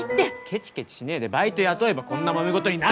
ケチケチしねえでバイト雇えばこんなもめ事になんねえんだよ！